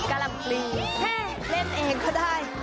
กะล่ำปลีแค่เล่นเองก็ได้